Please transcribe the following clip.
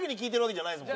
じゃないですよ。